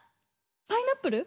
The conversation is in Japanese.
パイナップル？